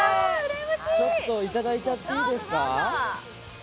ちょっといただいちゃっていいですか。